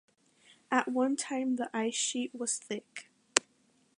At one time the ice sheet was thick.